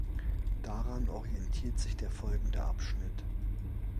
Daran orientiert sich der folgende Abschnitt.